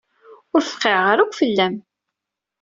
Ur fqiɛeɣ ara akk fell-am.